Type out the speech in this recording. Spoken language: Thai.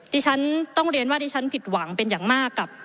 ที่ฉันต้องเรียนว่าที่ฉันผิดหวังเป็นอย่างมากกับ